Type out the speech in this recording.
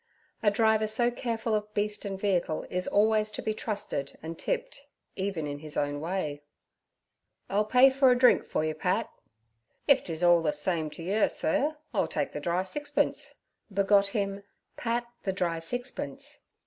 A driver so careful of beast and vehicle is always to be trusted and tipped, even in his own way. 'I'll pay for a drink for you, Pat.' 'If 'tis orl the same t'yer, sur, I'll take the dry sixpence' begot him 'Pat the Dry Sixpence.'